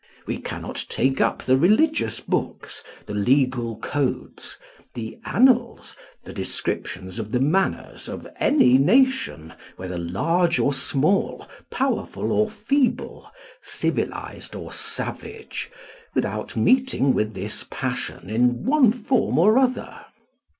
We cannot take up the religious books, the legal codes, the annals, the descriptions of the manners of any nation, whether large or small, powerful or feeble, civilised or savage, without meeting with this passion in one form or other.